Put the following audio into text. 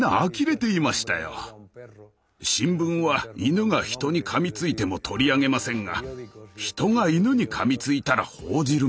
新聞は犬が人にかみついても取り上げませんが人が犬にかみついたら報じるものです。